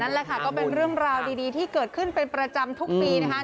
นั่นแหละค่ะก็เป็นเรื่องราวดีที่เกิดขึ้นเป็นประจำทุกปีนะคะ